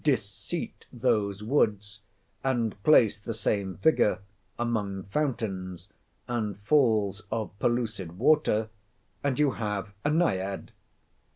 Disseat those woods, and place the same figure among fountains, and falls of pellucid water, and you have a—Naiad!